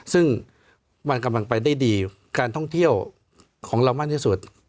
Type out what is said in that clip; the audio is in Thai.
ซึ่งมันกำลังไปได้ดีการท่องเที่ยวของเรามากที่สุด